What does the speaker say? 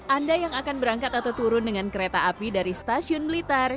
anda yang akan berangkat atau turun dengan kereta api dari stasiun blitar